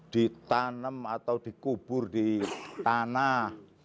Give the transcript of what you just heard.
ditanam atau dikubur di tanah